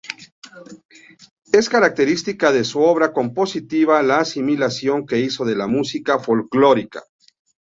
Es característica de su obra compositiva la asimilación que hizo de la música folclórica.